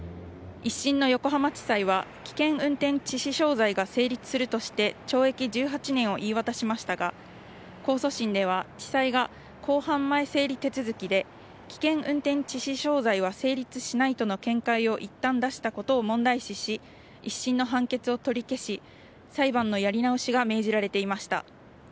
一審の横浜地裁は危険運転致死傷罪が成立するとして懲役１８年を言い渡しましたが控訴審では、地裁が公判前整理手続きで危険運転致死傷罪は成立しないとの見解をいったん出したことを問題視し一審の判決を取り消し裁判のやり直しが命じられていました。